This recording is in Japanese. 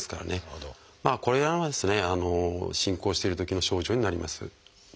これはですね進行してるときの症状になります。